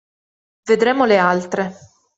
Vedremo le altre.